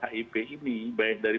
hiph ini baik dari